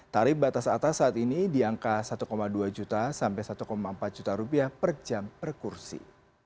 tarif batas atas saat ini di angka satu dua juta sampai satu empat juta rupiah per jam per kursi